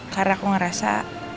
karena aku ngerasa